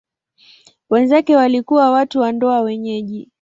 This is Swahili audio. Wenzake walikuwa watu wa ndoa wenyeji.